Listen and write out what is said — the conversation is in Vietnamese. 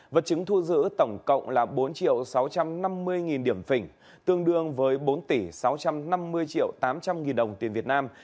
vật chứng thu giữ tổng cộng là bốn sáu trăm năm mươi điểm phỉnh tương đương với bốn sáu trăm năm mươi tám trăm linh đồng tiền việt nam